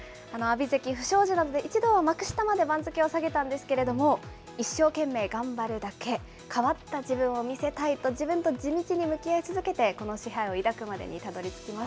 阿炎関、不祥事などで一度は幕下まで番付を下げたんですけれども、一生懸命頑張るだけ、変わった自分を見せたいと、自分で地道に向き合い続けて、この賜杯を抱くまでにたどりつきま